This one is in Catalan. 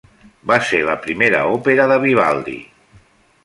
Va ser la primera òpera de Vivaldi.